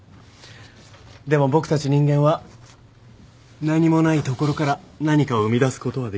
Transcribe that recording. でも僕たち人間は何もないところから何かを生み出すことはできる。